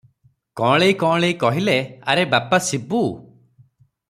କଅଁଳେଇ କଅଁଳେଇ କହିଲେ, "ଆରେ ବାପା ଶିବୁ!